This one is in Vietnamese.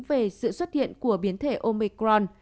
về sự xuất hiện của biến thể omicron